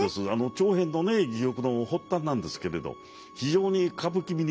長編の戯曲の発端なんですけれど非常に歌舞伎みに富んだね